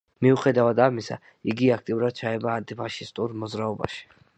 მიუხედავად ამისა, იგი აქტიურად ჩაება ანტიფაშისტურ მოძრაობაში.